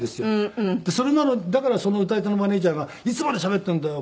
それなのにだからその歌い手のマネジャーが「いつまでしゃべってんだよ。